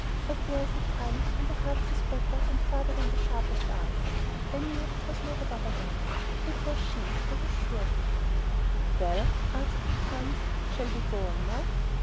But there is a time when the heart sees better and farther than the sharpest eyes. I knew it was Mother Barberin. It was she. I was sure of it. "Well," asked Vitalis, "shall we go on now?"